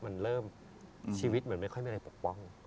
มันเริ่มชีวิตเหมือนไม่ค่อยมีอะไรปกป้อง